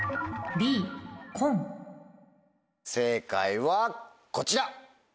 正解はこちら！